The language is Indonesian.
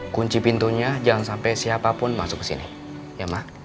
kunci pintunya jangan sampai siapapun masuk kesini ya ma